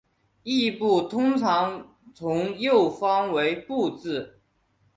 殳部通常从右方为部字。